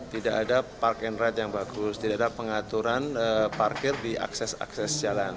tidak ada parking rate yang bagus tidak ada pengaturan parkir di akses akses jalan